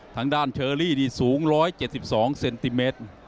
ทางด้านเชอรี่นี่สูง๑๗๒เซนติเมตร